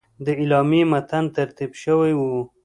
د اعلامیې متن ترتیب شوی وو.